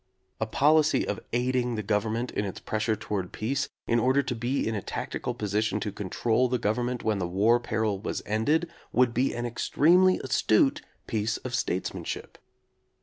A policy of aiding the Gov ernment in its pressure toward peace, in order to be in a tactical position to control the Government when the war peril was ended, would be an ex tremely astute piece of statesmanship.